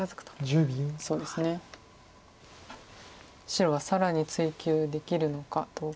白は更に追及できるのかどうか。